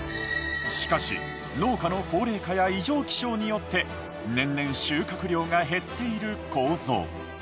しかし農家の高齢化や異常気象によって年々収穫量が減っている楮。